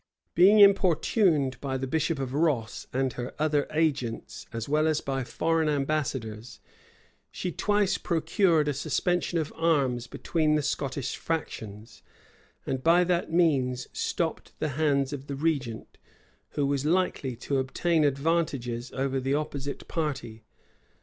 Being importuned by the bishop of Ross and her other agents, as well as by foreign ambassadors, she twice procured a suspension of arms between the Scottish factions, and by that means stopped the hands of the regent, who was likely to obtain advantages over the opposite party.